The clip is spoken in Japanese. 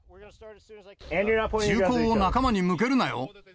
銃口を仲間に向けるなよ。